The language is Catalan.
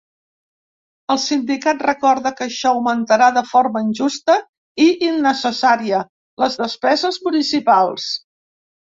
El sindicat recorda que això augmentarà ‘de forma injusta i innecessària’ les despeses municipals.